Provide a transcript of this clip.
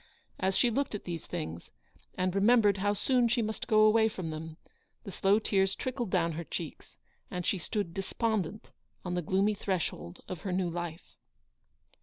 As she looked at these things, and remem bered how soon she must go away from them, richard Thornton's promise. 217 the slow tears trickled down her cheeks, and she stood despondent on the gloomy threshold of her new life.